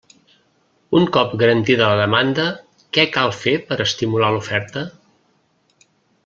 Un cop garantida la demanda, què cal fer per estimular l'oferta?